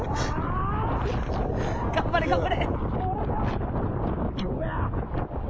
頑張れ頑張れ！